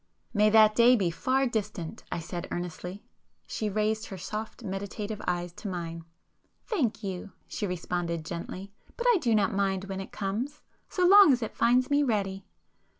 "May that day be far distant!" I said earnestly. She raised her soft meditative eyes to mine. "Thank you!" she responded gently—"But I do not mind when it comes, so long as it finds me ready."